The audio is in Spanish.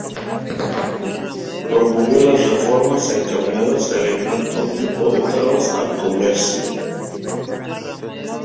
Promovió las reformas encaminadas a eliminar todo tipo de trabas al comercio.